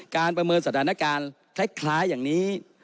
ประเมินสถานการณ์คล้ายอย่างนี้